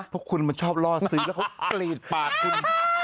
เพราะคุณมันชอบล่อซื้อแล้วเขากรีดปากคุณ